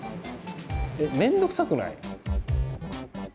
面倒くさくない？